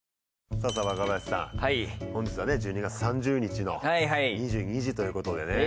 さぁさ若林さん本日はね１２月３０日の２２時ということでね。